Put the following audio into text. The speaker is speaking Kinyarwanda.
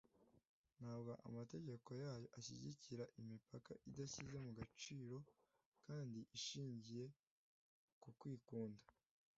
Ntabwo amategeko yayo ashyigikira imipaka idashyize mu gaciro kandi ishingiye ku kwikunda.